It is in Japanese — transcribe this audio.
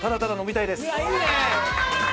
いいね！